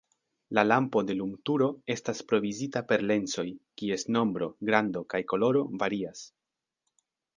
La lampo de lumturo estas provizita per lensoj, kies nombro, grando kaj koloro varias.